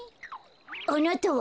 あなたは？